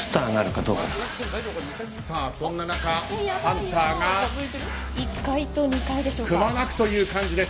そんな中、ハンターがくまなくという感じです。